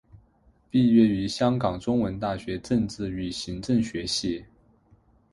毕业于香港中文大学政治与行政学系。